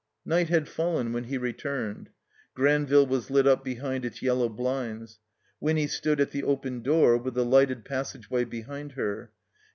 Night had fallen when he returned. Granville was lit up behind its yellow blinds. Winny stood at the open door with the lighted passageway behind her.